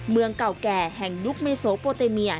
เมืองเก่าแก่แห่งยุคเมโซโปเตเมีย